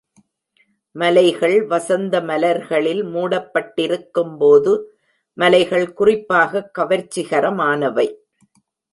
மலைகள் வசந்த மலர்களில் மூடப்பட்டிருக்கும் போது மலைகள் குறிப்பாக கவர்ச்சிகரமானவை.